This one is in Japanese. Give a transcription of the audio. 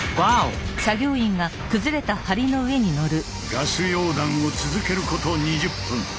ガス溶断を続けること２０分。